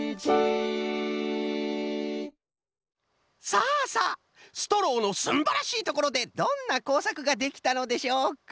さあさあストローのすんばらしいところでどんなこうさくができたのでしょうか？